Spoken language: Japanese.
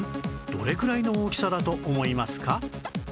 どれくらいの大きさだと思いますか？